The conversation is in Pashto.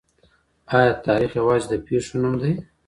آیا تاريخ يوازې د پېښو نوم دی؟